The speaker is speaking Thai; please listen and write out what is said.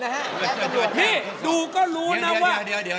พี่ดูก็รู้นะว่าเดี๋ยว